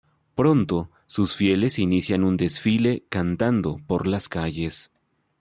Pronto sus fieles inician un desfile cantando por las calles.